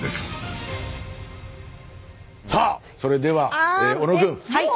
さあそれでは小野くん。